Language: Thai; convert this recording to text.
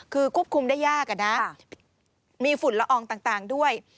คือควบคุมได้ยากอะนะมีฝุ่นละอองต่างด้วย